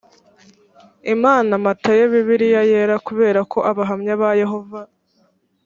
imana matayo bibiliya yera kubera ko abahamya ba yehova